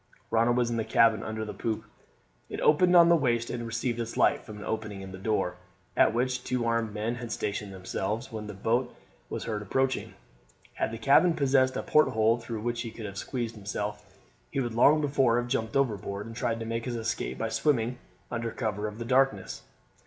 Ronald was in the cabin under the poop; it opened on to the waist, and received its light from an opening in the door, at which two armed men had stationed themselves when the boat was heard approaching. Had the cabin possessed a porthole through which he could have squeezed himself he would long before have jumped overboard and tried to make his escape by swimming under cover of the darkness.